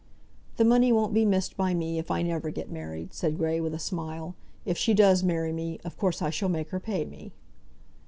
"The money won't be missed by me if I never get married," said Grey, with a smile. "If she does marry me, of course I shall make her pay me."